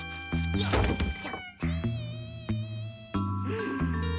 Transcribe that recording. よいしょ。